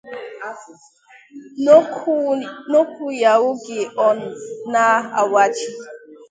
N'okwu ya oge ọ na awa Ji